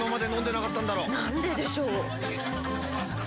なんででしょ。